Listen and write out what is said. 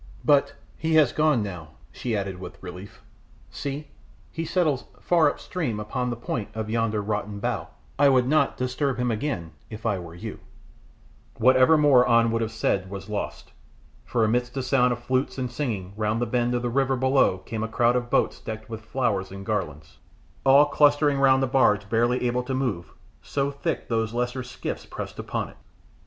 But he has gone now," she added, with relief; "see, he settles far up stream upon the point of yonder rotten bough; I would not disturb him again if I were you " Whatever more An would have said was lost, for amidst a sound of flutes and singing round the bend of the river below came a crowd of boats decked with flowers and garlands, all clustering round a barge barely able to move, so thick those lesser skiffs pressed upon it.